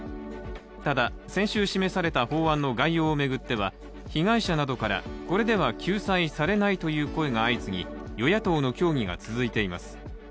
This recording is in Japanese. ただ、先週示された法案の概要を巡っては、被害者などからこれでは救済されないという声が相次ぎ与野党の協議が相次いでいます。